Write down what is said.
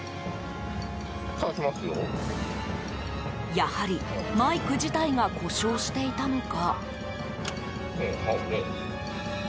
やはり、マイク自体が故障していたのか。